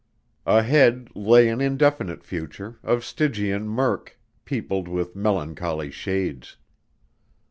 Ahead lay an indefinite future, of Stygian murk, peopled with melancholy shades.